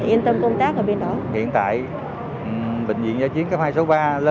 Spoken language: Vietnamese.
yên tâm công tác ở bên đó hiện tại bệnh viện giải chiến cấp hai số ba